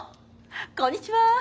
こんにちは。